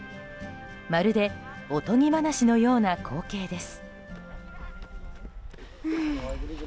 まるでおとぎ話のような光景です。